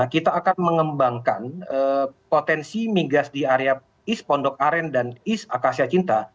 kita akan mengembangkan potensi migas di area east pondok aren dan east akasya cinta